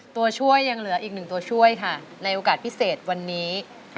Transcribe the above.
ตัวช่วยยังเหลืออีกหนึ่งตัวช่วยค่ะในโอกาสพิเศษวันนี้